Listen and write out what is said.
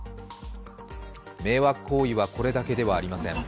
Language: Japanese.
迷惑行為はこれだけではありません。